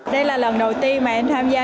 đây là lần đầu tiên mà em tham gia